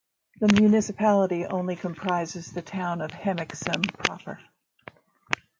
The municipality only comprises the town of Hemiksem proper.